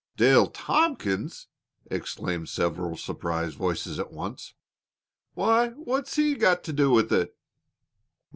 "Dale Tompkins!" exclaimed several surprised voices at once. "Why, what's he got to do with it?"